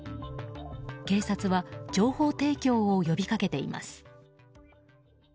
警察は情報提供を呼びかけています。